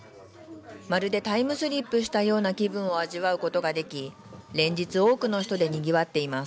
まるでタイムスリップしたような気分を味わうことができ連日、多くの人でにぎわっています。